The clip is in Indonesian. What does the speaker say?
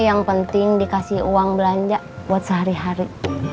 yang penting dikasih uang belanja buat sehari hari